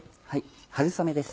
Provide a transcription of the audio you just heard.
春雨です。